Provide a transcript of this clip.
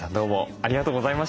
ありがとうございます。